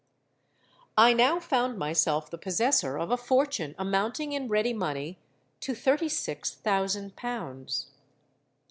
"I now found myself the possessor of a fortune amounting in ready money to thirty six thousand pounds.